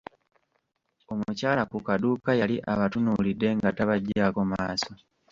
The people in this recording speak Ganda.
Omukyala ku kaduuka yali abatunuulidde nga tabagyako maaso.